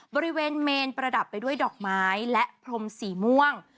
บริเวณเมนประดับไปด้วยดอกไม้และพรมสีม่วง